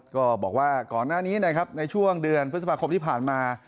ก็บอกว่าก่อนหน้านี้นะครับในช่วงเดือนพฤษภาคมที่ผ่านมา